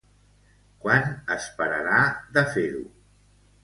Quan es pararà de fer-ho?